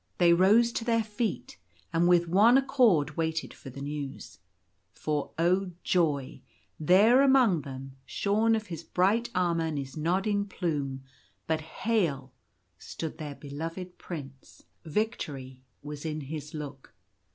They rose to their feet, and with one accord waited for the news. For oh, joy ! there among them — shorn of his bright armour and his nodding plume, but hale — stood their be loved Prince. The Joyful News. 4 1 Victory was in his look.